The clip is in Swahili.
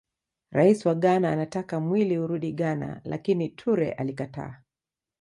Rais wa Ghana Anataka mwili urudi Ghana lakini Toure alikataa